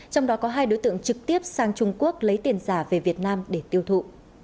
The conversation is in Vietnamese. trong đó có hai đối tượng trực tiếp sang trung quốc lấy tiền giả về việt nam để tiêu thụ